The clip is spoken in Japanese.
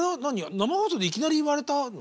生放送でいきなり言われたの？